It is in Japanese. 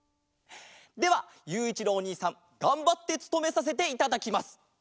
ではゆういちろうおにいさんがんばってつとめさせていただきます！